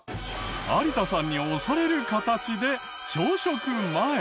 有田さんに押される形で朝食前。